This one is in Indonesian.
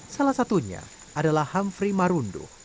salah satunya adalah hamfri marundu